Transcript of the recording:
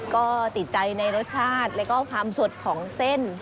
ก็ติดใจในรสชาติแล้วก็ความสดของเส้น